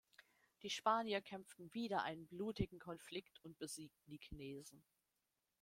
Die Spanier kämpften wieder einen blutigen Konflikt und besiegten die Chinesen.